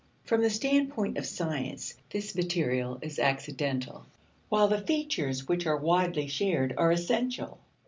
From the standpoint of science, this material is accidental, while the features which are widely shared are essential.